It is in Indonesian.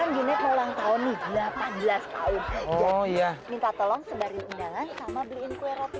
kan gini pulang tahun delapan belas tahun oh iya minta tolong sebarin indangan sama beliin kuliah